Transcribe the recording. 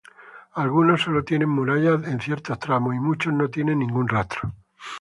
Algunos solo tienen murallas en ciertos tramos y muchos no tienen ningún rastro.